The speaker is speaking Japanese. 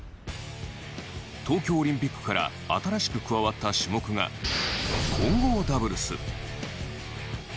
東京オリンピックから新しく加わった種目が混合ダブルス。